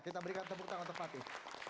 kita berikan tepuk tangan untuk fatih